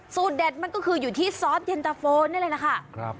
สูตรเด็ดมันก็คืออยู่ที่ซอสเย็นตะโฟนี่เลยนะคะครับ